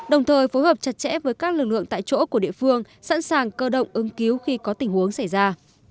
đồng thời phối hợp chặt chẽ với các lực lượng tại chỗ của địa phương sẵn sàng cơ động ứng cứu khi có tình huống xảy ra